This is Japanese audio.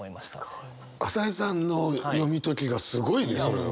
朝井さんの読み解きがすごいねそれは。